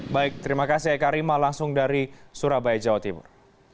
baik terima kasih eka rima langsung dari surabaya jawa timur